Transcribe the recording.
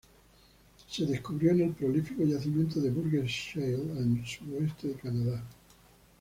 Se descubrió en el prolífico yacimiento de Burgess Shale, al suroeste de Canadá.